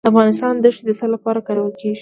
د افغانستان دښتې د څه لپاره کارول کیږي؟